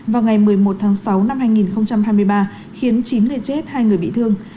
vào ngày một mươi một tháng sáu năm hai nghìn hai mươi ba khiến chín người chết hai người bị thương